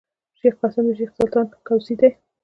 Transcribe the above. شېخ قاسم د شېخ سلطان کوسی دﺉ.